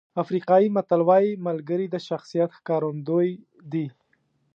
افریقایي متل وایي ملګري د شخصیت ښکارندوی دي.